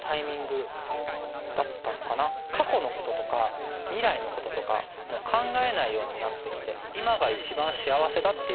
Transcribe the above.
過去のこととか未来のこととか考えないようになってきて。